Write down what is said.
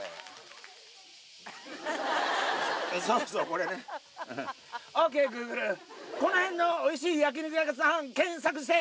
この辺のおいしい焼き肉屋さん検索して。